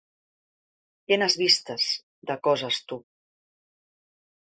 Que n'has vistes, de coses, tu!